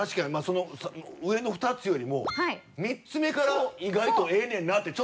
その上の２つよりも３つ目から意外とええねんなってちょっと。